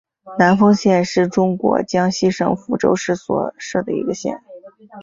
南丰县是中国江西省抚州市所辖的一个县。